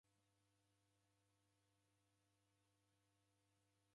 Ijeshi bado jeko aho andu.